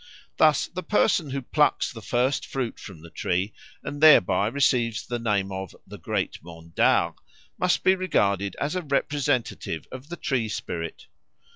Thus the person who plucks the first fruit from the tree and thereby receives the name of "the great mondard" must be regarded as a representative of the tree spirit.